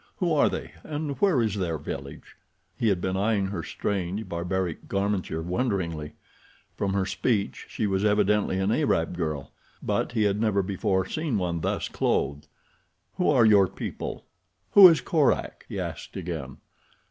"Who are they and where is their village?" He had been eyeing her strange, barbaric garmenture wonderingly. From her speech she was evidently an Arab girl; but he had never before seen one thus clothed. "Who are your people? Who is Korak?" he asked again.